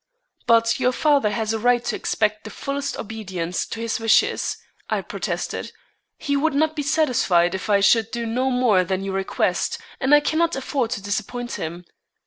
"But your father has a right to expect the fullest obedience to his wishes," I protested. "He would not be satisfied if I should do no more than you request, and I cannot afford to disappoint him."